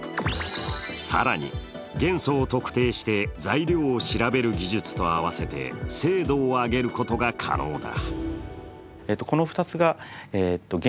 更に、元素を特定して材料を調べる技術とあわせて精度を上げることが可能だ。